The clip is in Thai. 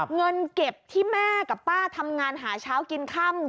เงินเก็บที่แม่กับป้าทำงานหาเช้ากินค่ำ